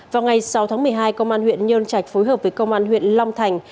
vào ngày sáu tháng một mươi hai công an huyện nhơn trạch phối hợp với công an huyện long thành